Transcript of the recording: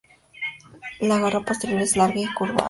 La garra posterior es larga y curvada.